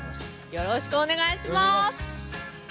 よろしくお願いします！